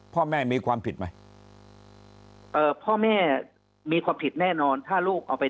พ่อแม่มีความผิดไหมเอ่อพ่อแม่มีความผิดแน่นอนถ้าลูกเอาไป